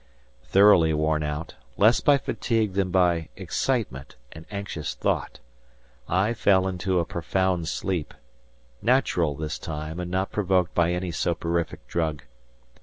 Thoroughly worn out, less by fatigue than by excitement and anxious thought, I fell into a profound sleep, natural this time and not provoked by any soporific drug.